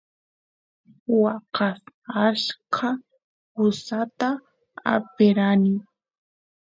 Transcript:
waa kaas achka usata aperani